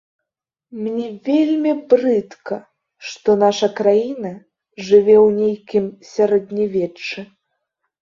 Мне вельмі брыдка, што наша краіна жыве ў нейкім сярэднявеччы.